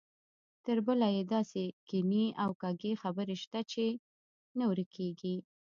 تربله یې داسې کینې او کږې خبرې شته چې نه ورکېږي.